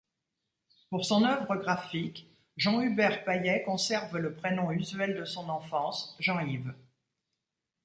Pour son œuvre graphique, Jean-Hubert Paillet conserve le prénom usuel de son enfance, Jean-Yves.